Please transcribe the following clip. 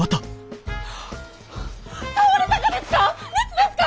倒れたがですか？